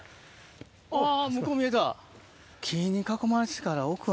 あ向こう見えた。